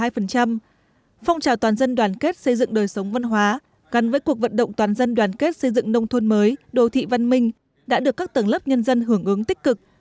phong trào toàn dân đoàn kết xây dựng đời sống văn hóa gắn với cuộc vận động toàn dân đoàn kết xây dựng nông thôn mới đồ thị văn minh đã được các tầng lớp nhân dân hưởng ứng tích cực